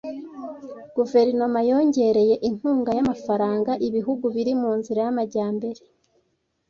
Guverinoma yongereye inkunga y’amafaranga ibihugu biri mu nzira y'amajyambere.